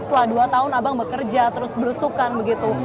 setelah dua tahun abang bekerja terus berusukan begitu